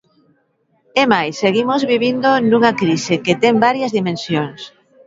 É máis, seguimos vivindo nunha crise que ten varias dimensións.